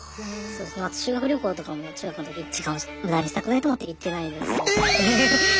修学旅行とかも中学校の時時間を無駄にしたくないと思って行ってないです。